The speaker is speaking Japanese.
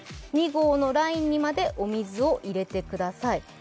２号のラインにまでお水を入れてください。